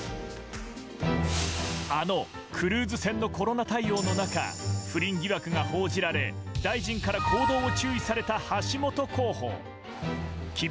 あのクルーズ船のコロナ対応の中、不倫疑惑が報じられ、大臣から行動を注意された橋本候補。